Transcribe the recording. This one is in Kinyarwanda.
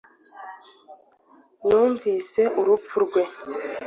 Numvise urupfu rwe